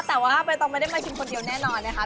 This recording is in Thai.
แต่ว่าใบตองไม่ได้มาชิมคนเดียวแน่นอนนะคะ